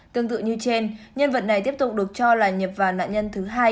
tương tự như trên nhân vật này tiếp tục được cho là nhập vào nạn nhân thứ hai